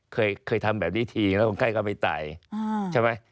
เคยทำแบบนี้ทีแล้วคนไข้ก็ไปไต่ใช่ไหม